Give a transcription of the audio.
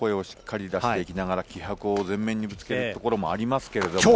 相手に対して声をしっかり出していきながら気迫を全面にぶつけているところもあります。